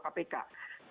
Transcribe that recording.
sebagai ketua kpk